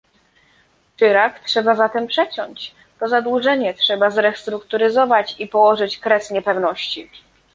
Czyrak trzeba zatem przeciąć, to zadłużenie trzeba zrestrukturyzować i położyć kres niepewności